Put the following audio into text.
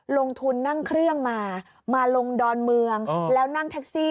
ลงทุนนั่งเครื่องมามาลงดอนเมืองแล้วนั่งแท็กซี่